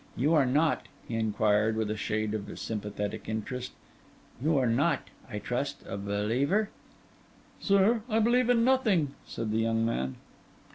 You are not,' he inquired, with a shade of sympathetic interest, 'you are not, I trust, a believer?' 'Sir, I believe in nothing,' said the young man.